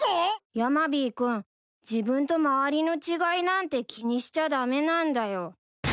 ヤマビー君自分と周りの違いなんて気にしちゃ駄目なんだよ。